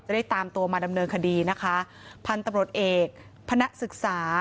ได้ตามตัวมาดำเนินคดีนะคะพันธุ์ตำรวจเอกพนักศึกษา